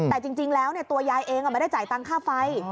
แต่จริงแล้วตัวยายเองไม่ได้จ่ายตังค่าไฟ